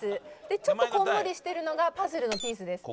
でちょっとこんもりしてるのがパズルのピースです。